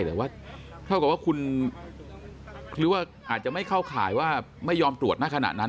เหลือว่าเท่ากับว่าคุณอาจจะไม่เข้าข่ายว่าไม่ยอมตรวจมาขนาดนั้น